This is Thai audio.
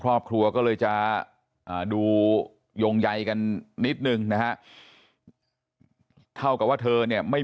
ครอบครัวก็เลยจะดูยงใยกันนิดนึงนะฮะเท่ากับว่าเธอเนี่ยไม่